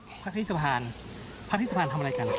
พักที่สะพานพักที่สะพานทำอะไรกัน